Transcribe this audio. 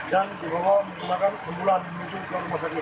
dan di bawah menjelangkan sebulan menuju ke rumah sakit